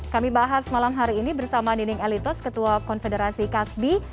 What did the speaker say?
kami bahas malam hari ini bersama nining elitos ketua konfederasi kasbi